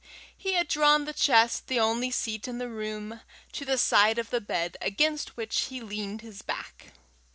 He had drawn the chest, the only seat in the room, to the side of the bed, against which he leaned his back.